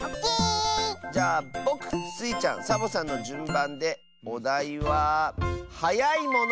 じゃあぼくスイちゃんサボさんのじゅんばんでおだいは「はやいもの」！